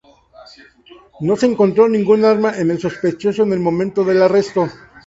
No se encontró ningún arma en el sospechoso en el momento del arresto.